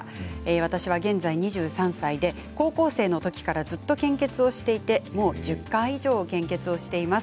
私は現在２３歳で高校生のときからずっと献血をしていてもう１０回以上献血しています。